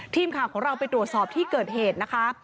ทีมข่าวของเราไปตรวจสอบที่เกิดเหตุนะคะ